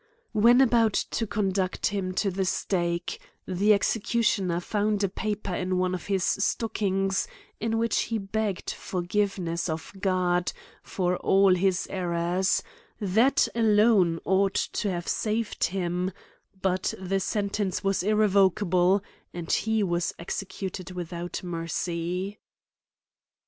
When about to conduct him to the stake, the executioner found a paper in one of his stockings in which he begged forgiveness of God for all his errors — that alone ought to have saved him, but the sentence was irrevocable, and he was executed without mercy.